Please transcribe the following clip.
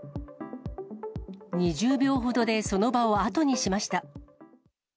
２０秒ほどでその場を後にしました。